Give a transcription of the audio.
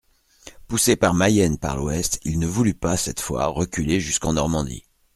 Poussé par Mayenne par l'ouest, il ne voulut pas, cette fois, reculer jusqu'en Normandie.